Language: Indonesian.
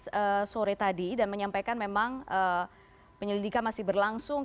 tapi di awal sore tadi dan menyampaikan memang penyelidikan masih berlangsung